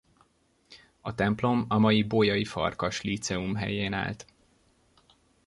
A templom a mai Bolyai Farkas Líceum helyén állt.